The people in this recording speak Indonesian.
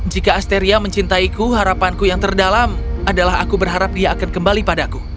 jika asteria mencintaiku harapanku yang terdalam adalah aku berharap dia akan kembali padaku